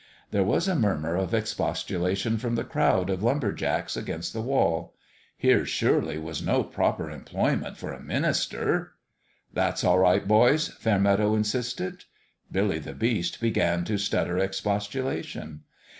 There was a murmur of expostulation from the crowd of lumber jacks against the wall. Here, surely, was no proper employment for a minis ter! " That's all right, boys," Fairmeadow insisted. Billy the Beast began to stutter expostulation.